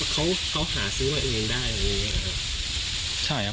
เขาหาซื้อไว้เองได้อย่างนี้นะครับ